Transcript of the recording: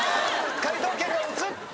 解答権が移った。